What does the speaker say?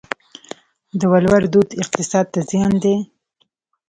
د ولور دود اقتصاد ته زیان دی؟